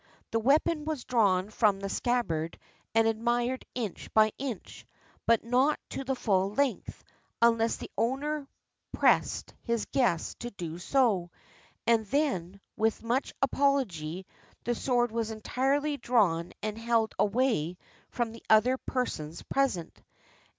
The weapon was drawn from the scabbard and admired inch by inch, but not to the full length, unless the owner pressed his guest to do so, and then, with much apology, the sword was entirely drawn and held away from the other persons present.